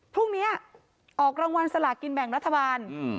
พรุ่งนี้ออกรางวัลสลากินแบ่งรัฐบาล